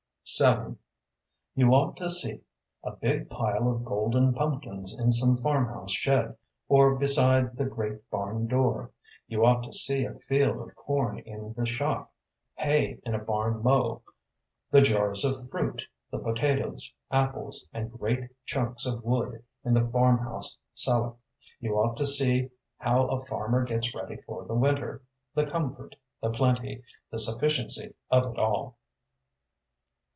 VII You ought to see a big pile of golden pumpkins in some farmhouse shed or beside the great barn door. You ought to see a field of corn in the shock; hay in a barn mow; the jars of fruit, the potatoes, apples, and great chunks of wood in the farmhouse cellar. You ought to see how a farmer gets ready for the winter the comfort, the plenty, the sufficiency of it all!